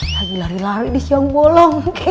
lagi lari lari di siang bolong